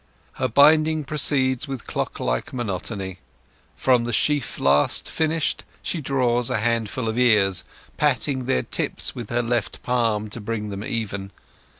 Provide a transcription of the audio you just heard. Her binding proceeds with clock like monotony. From the sheaf last finished she draws a handful of ears, patting their tips with her left palm to bring them even.